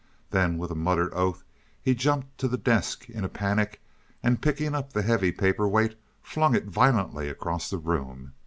Then with a muttered oath he jumped to the desk in a panic and picking up the heavy paper weight flung it violently across the room.